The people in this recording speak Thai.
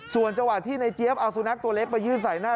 ส่วนจังหวะที่ในเจี๊ยบเอาสุนัขตัวเล็กไปยื่นใส่หน้า